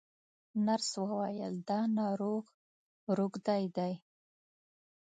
نرس وویل دا ناروغ روږدی دی.